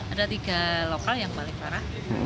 ada tiga lokal yang paling parah